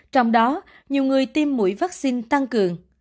trong đó nhiều người tiêm mũi vaccine tăng cường